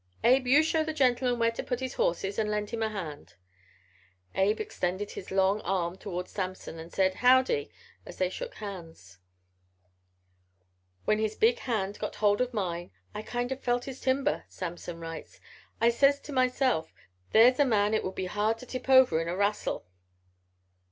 Abe, you show the gentleman where to put his horses an' lend him a hand." Abe extended his long arm toward Samson and said "Howdy" as they shook hands. "When his big hand got hold of mine, I kind of felt his timber," Samson writes. "I says to myself, 'There's a man it would be hard to tip over in a rassle.'"